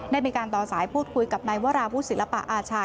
ได้มีการต่อสายพูดคุยกับนายวราวุฒิศิลปะอาชา